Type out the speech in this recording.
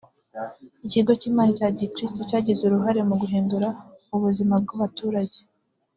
Ikigo cy’imali cya Gikristo cyagize uruhare mu guhindura ubuzima bw’abaturage